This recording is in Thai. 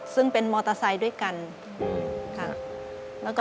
ซึ่งเป็นมอเตอร์ไซค์ด้วยกันค่ะ